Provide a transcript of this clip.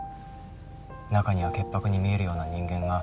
中には潔白に見えるような人間が